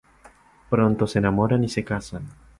Pronto se enamoran y se casan.